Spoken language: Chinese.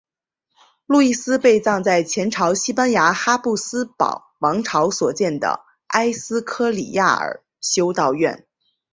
路易斯被葬在前朝西班牙哈布斯堡王朝所建的埃斯科里亚尔修道院。